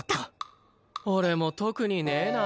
俺も特にねえな。